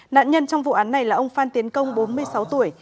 nạn nhân trong vụ án này là ông phan tiến công bốn mươi sáu tuổi